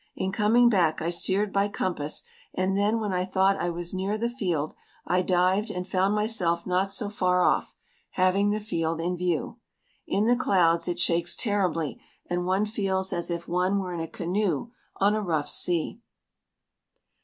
In coming back I steered by compass and then when I thought I was near the field I dived and found myself not so far off, having the field in view. In the clouds it shakes terribly and one feels as if one were in a canoe on a rough sea.